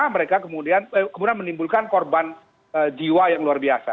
mereka kemudian menimbulkan korban jiwa yang luar biasa